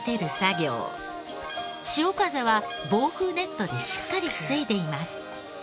潮風は防風ネットでしっかり防いでいます。